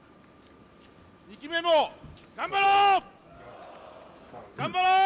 ２期目も頑張ろう！